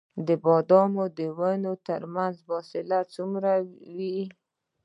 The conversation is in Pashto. د بادامو د ونو ترمنځ فاصله څومره وي؟